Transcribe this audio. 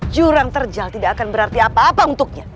jurang terjal tidak akan berarti apa apa untuknya